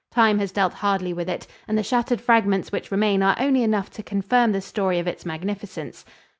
Time has dealt hardly with it, and the shattered fragments which remain are only enough to confirm the story of its magnificence.